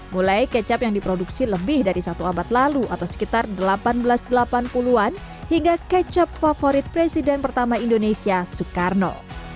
mulai kecap yang diproduksi lebih dari satu abad lalu atau sekitar seribu delapan ratus delapan puluh an hingga kecap favorit presiden pertama indonesia soekarno